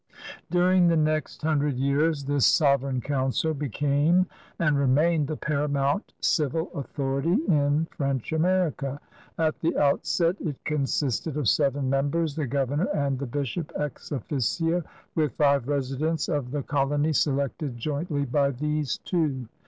During the next hundred years this Sovereign Council became and remained the paramount civil authority in French America. At the outset it consisted of seven members, the governor and the bishop ex officio^ with five residents of the colony selected jointly by these two.